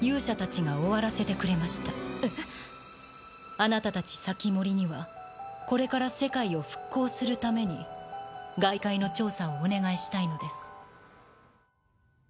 あなたたち防人にはこれから世界を復興するために外界の調査をお願いしたいのです。